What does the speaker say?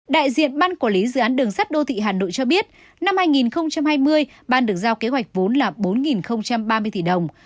đại diện ban quản lý dự án đường sắt đô thị hà nội cho biết năm hai nghìn hai mươi ban được giao kế hoạch vốn là bốn ba mươi tỷ đồng